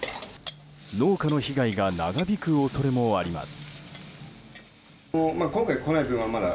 農家の被害が長引く恐れもあります。